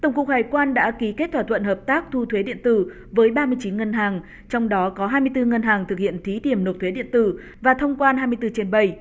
tổng cục hải quan đã ký kết thỏa thuận hợp tác thu thuế điện tử với ba mươi chín ngân hàng trong đó có hai mươi bốn ngân hàng thực hiện thí điểm nộp thuế điện tử và thông quan hai mươi bốn trên bảy